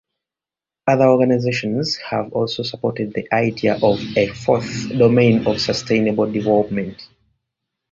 Other organizations have also supported the idea of a fourth domain of sustainable development.